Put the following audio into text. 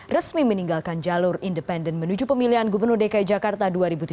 resmi meninggalkan jalur independen menuju pemilihan gubernur dki jakarta dua ribu tujuh belas